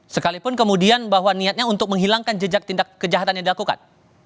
sekalipun kemudian bahwa niatnya untuk menghilangkan jejak tindak kejahatan yang dilakukan